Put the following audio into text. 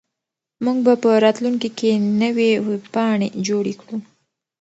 موږ به په راتلونکي کې نوې ویبپاڼې جوړې کړو.